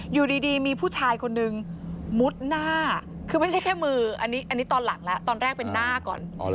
อยู่ดีมีผู้ชายคนนึงมุดหน้าคือไม่ใช่แค่มืออันนี้ตอนหลังแล้วตอนแรกเป็นหน้าก่อน